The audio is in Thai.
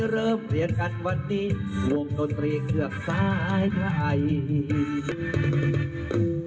เริ่มเรียนกันวันนี้วงดนตรีเคลือบซ้ายใกล้